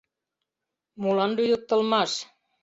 — Молан лӱдыктылмаш?